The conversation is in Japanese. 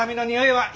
はい。